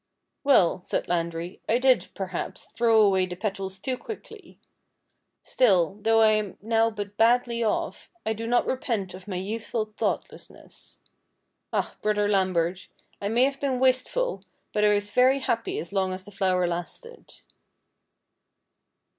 "Well," said Landry, "I did, perhaps, throw away the petals too quickly. Still, though I am now but badly off, I do not repent of my youthful thoughtlessness. Ah ! brother Lam bert, I may have been wasteful, but I was very happy as long as the flower lasted."